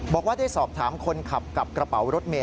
บอกว่าได้สอบถามคนขับกับกระเป๋ารถเมย